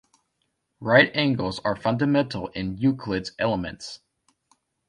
Right angles are fundamental in Euclid's Elements.